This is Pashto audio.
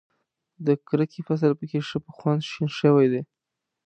د کرکې فصل په کې ښه په خوند شین شوی دی.